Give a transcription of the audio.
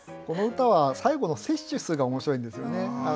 この歌は最後の「摂取す」が面白いんですよね。